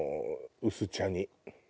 薄茶に。